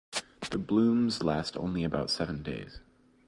The blooms last only about seven days.